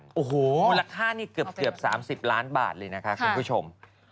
โอ้โหมูลค่านี่เกือบ๓๐ล้านบาทเลยนะคะคุณผู้ชม